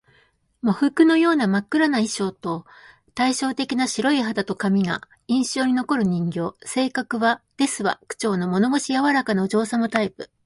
喪服のような真っ黒な衣装と、対照的な白い肌と髪が印象に残る人形。性格は「ですわ」口調の物腰柔らかなお嬢様タイプ